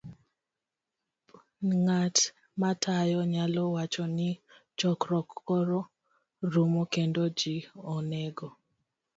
b- Ng'at matayo nyalo wacho ni chokruok koro rumo kendo ji onego